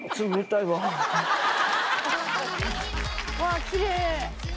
うわっきれい！